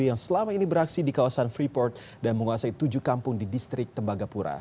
yang selama ini beraksi di kawasan freeport dan menguasai tujuh kampung di distrik tembagapura